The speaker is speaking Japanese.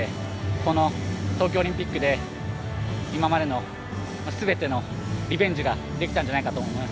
この東京オリンピックで今までの全てのリベンジができたんじゃないかと思います。